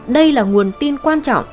đây là nguồn tin quan trọng